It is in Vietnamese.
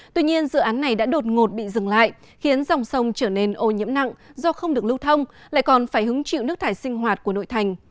tuy nhiên dự án này đã đột ngột bị dừng lại khiến dòng sông trở nên ô nhiễm nặng do không được lưu thông lại còn phải hứng chịu nước thải sinh hoạt của nội thành